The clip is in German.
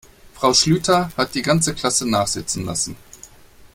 Frau Schlüter hat die ganze Klasse nachsitzen lassen.